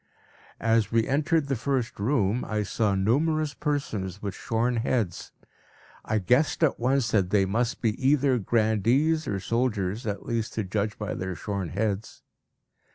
As we entered the first room, I saw numerous persons with shorn heads. I guessed at once that they must be either grandees or soldiers, at least to judge by their shorn heads.